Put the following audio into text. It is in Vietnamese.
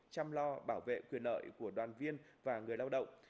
chăm lo bảo vệ quyền lợi của đoàn viên và người lao động